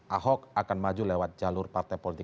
ahok akan maju lewat jalur partai politik